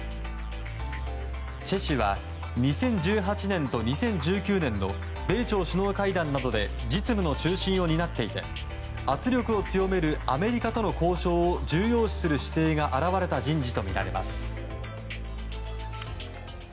チェ氏は２０１８年と２０１９年の米朝首脳会談などで実務の中心を担っていて圧力を強めるアメリカとの交渉を重要視する姿勢が現れた人事とみられます。